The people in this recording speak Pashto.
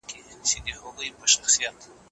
ښه ذهنیت جنجال نه زیاتوي.